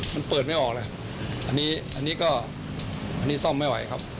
มันเปิดไม่ออกเลยอันนี้อันนี้ก็อันนี้ซ่อมไม่ไหวครับ